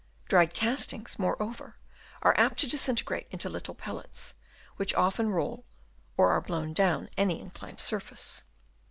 Dried castings, moreover, are apt to disinte grate into little pellets, which often roll or are blown down any inclined surface.